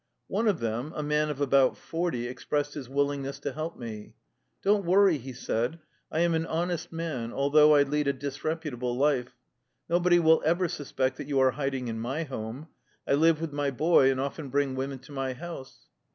One of them, a man of about forty, expressed his willingness to help me. " Don't worry,'' he said ;" I am an honest man, although I lead a disreputable life. No body will ever suspect that you are hiding in my home. I live with my boy, and often bring women to my house."